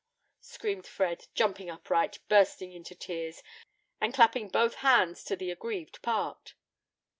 screamed Fred, jumping upright, bursting into tears, and clapping both hands to the aggrieved part.